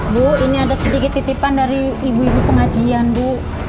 bu ini ada sedikit titipan dari ibu ibu pengajian bu